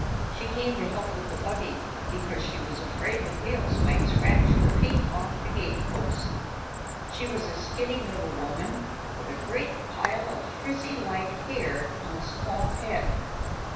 She came to help with the buggy, because she was afraid the wheels might scratch the paint off the gateposts. She was a skinny little woman with a great pile of frizzy light hair on a small head.